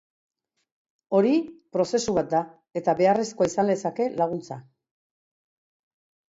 Hori prozesu bat da, eta beharrezkoa izan lezake laguntza.